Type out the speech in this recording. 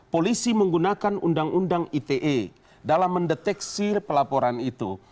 polisi menggunakan undang undang ite dalam mendeteksi pelaporan itu